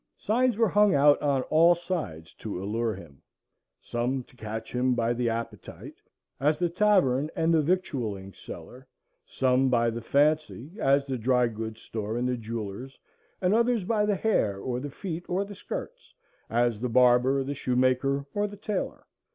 Signs were hung out on all sides to allure him; some to catch him by the appetite, as the tavern and victualling cellar; some by the fancy, as the dry goods store and the jeweller's; and others by the hair or the feet or the skirts, as the barber, the shoemaker, or the tailor.